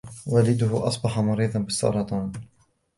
والده أصبح مريضاً بالسرطان.